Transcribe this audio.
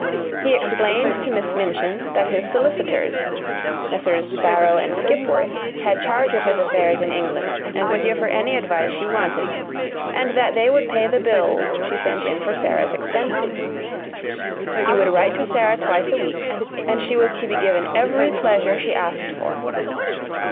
He explained to Miss Minchin that his solicitors, Messrs. Barrow & Skipworth, had charge of his affairs in England and would give her any advice she wanted, and that they would pay the bills she sent in for Sara's expenses. He would write to Sara twice a week, and she was to be given every pleasure she asked for.